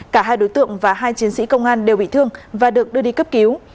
cả hai đối tượng và hai chiến sĩ công an đều bị thương và được đưa đi cấp cứu